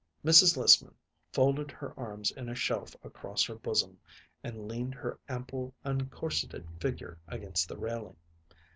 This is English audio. '" Mrs. Lissman folded her arms in a shelf across her bosom and leaned her ample uncorseted figure against the railing.